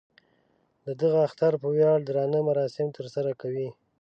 د دغه اختر په ویاړ درانه مراسم تر سره کوي.